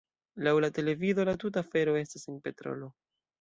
Laŭ la televido la tuta afero estas en petrolo.